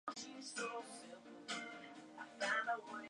Fue hijo de Antenor Rizo-Patrón Lequerica y Sara Aráoz Remy.